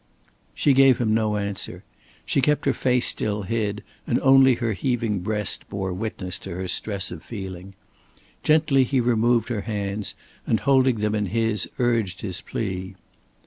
She gave him no answer. She kept her face still hid, and only her heaving breast bore witness to her stress of feeling. Gently he removed her hands, and holding them in his, urged his plea.